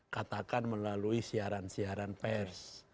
katakan melalui siaran siaran pers